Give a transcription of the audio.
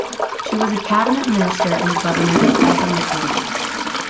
She was a cabinet minister in the government of Dalton McGuinty.